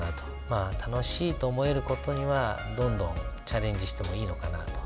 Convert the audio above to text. まあ楽しいと思える事にはどんどんチャレンジしてもいいのかなと。